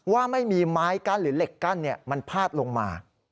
ว่าไม่มีไม้กั้นหรือเหล็กกั้นมันพาดลงมา